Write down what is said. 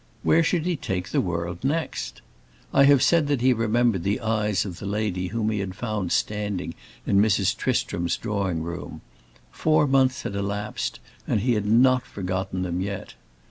Where should he take the world next? I have said he remembered the eyes of the lady whom he had found standing in Mrs. Tristram's drawing room; four months had elapsed, and he had not forgotten them yet.